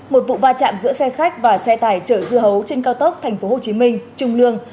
một vụ va chạm giữa xe khách và xe tải chở dưa hấu trên cao tốc tp hcm trung lương